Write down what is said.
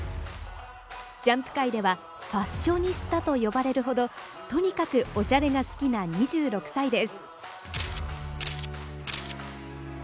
ジャンプ界ではファッショニスタと呼ばれるほど、とにかくオシャレが好きな２６歳です。